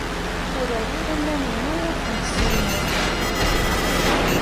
Ur rriɣ iman-inu ur tent-ssineɣ.